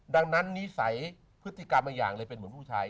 ดังนั้นนิสัยพฤติกรรมบางอย่างเลยเป็นเหมือนผู้ชาย